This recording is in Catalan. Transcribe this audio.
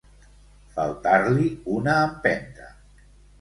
Faltar-li una empenta.